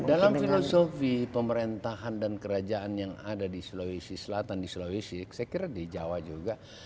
dalam filosofi pemerintahan dan kerajaan yang ada di sulawesi selatan di sulawesi saya kira di jawa juga